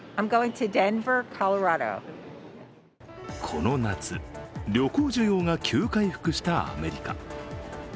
この夏、旅行需要が急回復したアメリカ。